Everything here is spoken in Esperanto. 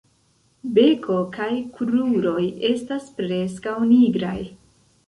Beko kaj kruroj estas preskaŭ nigraj.